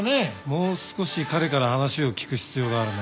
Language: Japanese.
もう少し彼から話を聞く必要があるね。